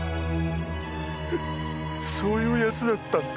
そういう奴だったんだ。